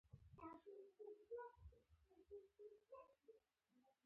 ساختماني ډیزاین بله برخه ده.